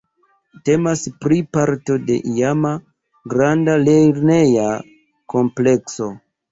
Temas pli parto de iama, granda lerneja komplekso.